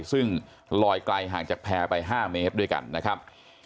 ซึ่งลอยไกลห่างจากแพร่ไป๕เมตรด้วยกันนะครับ